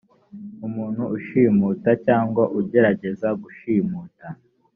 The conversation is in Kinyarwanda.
umuntu ushimuta cyangwa ugerageza gushimuta